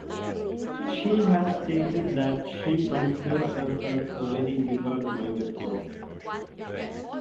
She has stated that she considers herself a "very liberal minded person".